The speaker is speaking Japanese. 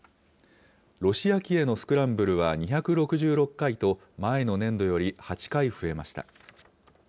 ロシア機へのスクランブルは２６６回と、前の年度より８回増えました。